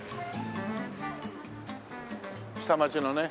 下町のね